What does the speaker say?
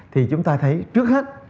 thì chúng ta thấy trước hết